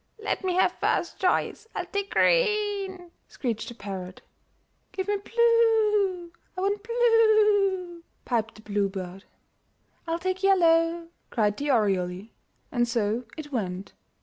''Let me have first choice! Fll take green," screeched the parrot. ''Give me blue! I want blue!*' piped the bluebird. "Fll take yellow," cried the oriole. And so it went.